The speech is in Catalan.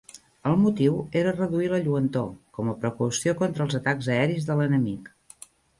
El motiu era reduir la lluentor, com a precaució contra els atacs aeris de l'enemic.